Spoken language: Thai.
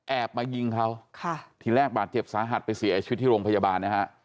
มายิงเขาค่ะทีแรกบาดเจ็บสาหัสไปเสียชีวิตที่โรงพยาบาลนะฮะ